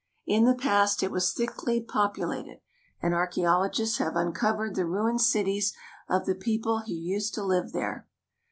In the past it was thickly populated, and archaeologists have uncovered the ruined cities of the people who used to live there.